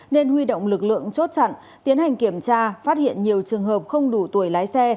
nên huy động lực lượng chốt chặn tiến hành kiểm tra phát hiện nhiều trường hợp không đủ tuổi lái xe